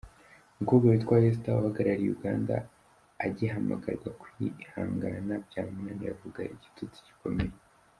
Umukobwa witwa Esther uhagarariye Uganda agihamagarwa kwihangana byamunaniye avuga igitutsi gikomeye.